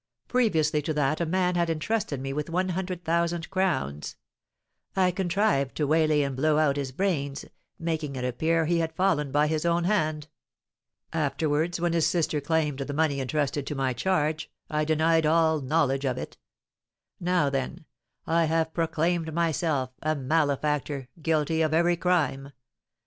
Previously to that a man had entrusted me with one hundred thousand crowns. I contrived to waylay and blow out his brains, making it appear he had fallen by his own hand. Afterwards, when his sister claimed the money entrusted to my charge, I denied all knowledge of it. Now, then, I have proclaimed myself a malefactor, guilty of every crime.